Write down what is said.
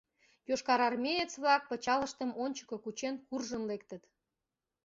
Йошкарармеец-влак пычалыштым ончыко кучен куржын лектыт.